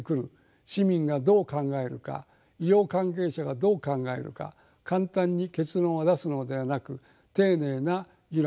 市民がどう考えるか医療関係者がどう考えるか簡単に結論を出すのではなく丁寧な議論説明が必要です。